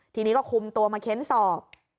ทีนี้ก็คุมตัวมาเค้นสอบ